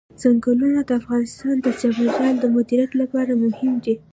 ځنګلونه د افغانستان د چاپیریال د مدیریت لپاره مهم دي.